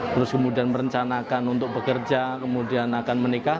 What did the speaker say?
terus kemudian merencanakan untuk bekerja kemudian akan menikah